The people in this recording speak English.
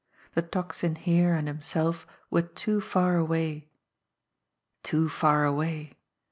The Tocsin here and himself were too far away. Too far away!